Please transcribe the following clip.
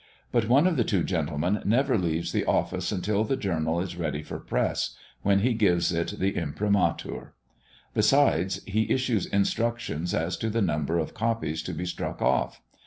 But one of the two gentlemen never leaves the office until the journal is ready for press, when he gives it the Imprimatur. Besides, he issues instructions as to the number of copies to be struck off.